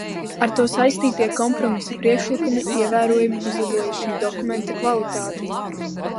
Ar to saistītie kompromisa priekšlikumi ievērojami uzlaboja šī dokumenta kvalitāti.